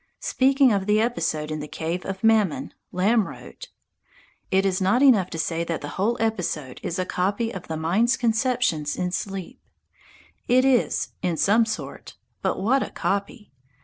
Speaking of the episode in the cave of Mammon, Lamb wrote: "It is not enough to say that the whole episode is a copy of the mind's conceptions in sleep; it is in some sort, but what a copy!